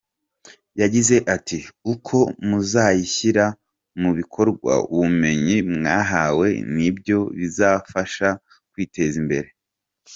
Yagize ati :' uko muzashyira mu bikorwa ubumenyi mwahawe ni byo bizabafasha kwiteza imbere.